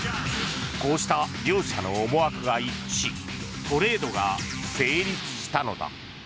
こうした両者の思惑が一致しトレードが成立したのだ。